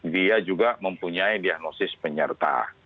dia juga mempunyai diagnosis penyerta